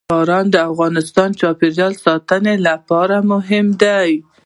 باران د افغانستان د چاپیریال ساتنې لپاره مهم دي.